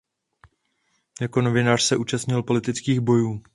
Jako novinář se účastnil politických bojů.